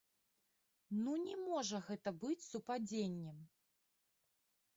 Ну, не можа гэта быць супадзеннем!